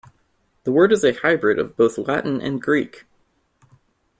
The word is a hybrid of both Latin and Greek.